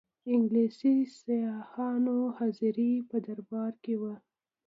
انګلیسي سیاحانو حاضري په دربار کې وه.